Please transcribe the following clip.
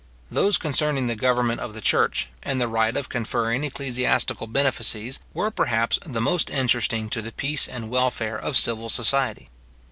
Those concerning the government of the church, and the right of conferring ecclesiastical benefices, were perhaps the most interesting to the peace and welfare of civil society.